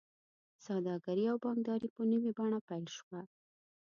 سوداګري او بانکداري په نوې بڼه پیل شوه.